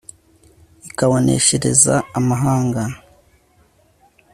ikabaneshereza amahanga